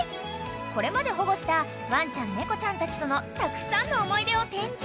［これまで保護したワンちゃん猫ちゃんたちとのたくさんの思い出を展示］